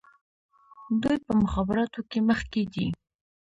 دوی په مخابراتو کې مخکې دي.